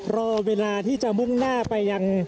รอเวลาที่จะมุ่งหน้าไปยัง